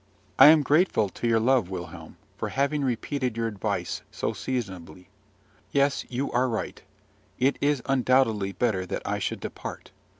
I am grateful to your love, Wilhelm, for having repeated your advice so seasonably. Yes, you are right: it is undoubtedly better that I should depart.